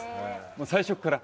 最初っから？